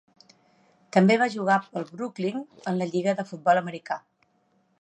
També va jugar pel Brooklyn en la Lliga de futbol americà.